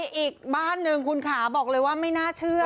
อีกบ้านหนึ่งคุณขาบอกเลยว่าไม่น่าเชื่อ